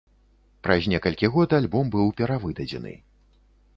Праз некалькі год альбом быў перавыдадзены.